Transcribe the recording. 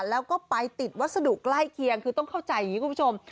แล้วก็ไปติดวัสดุใกล้เคียงคือต้องเข้าใจอย่างนี้คุณผู้ชม